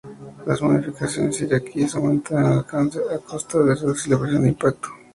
Las modificaciones iraquíes aumentaron el alcance, a costa de reducir la precisión del impacto.